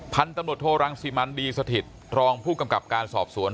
พันธุ์ตำรวจโทรังสิมันดีสถิตรองผู้กำกับการสอบสวน